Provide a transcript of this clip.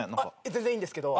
全然いいんですけど。